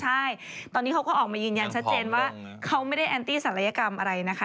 ใช่ตอนนี้เขาก็ออกมายืนยันชัดเจนว่าเขาไม่ได้แอนตี้ศัลยกรรมอะไรนะคะ